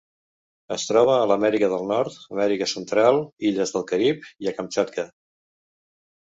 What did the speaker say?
Es troba a l'Amèrica del Nord, Amèrica Central, illes del Carib i a Kamtxatka.